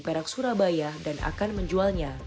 perak surabaya dan akan menjualnya